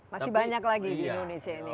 masih banyak lagi di indonesia ini